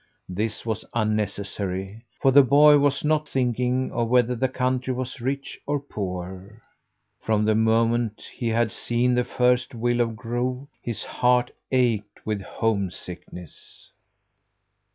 This was unnecessary, for the boy was not thinking of whether the country was rich or poor. From the moment that he had seen the first willow grove his heart ached with homesickness.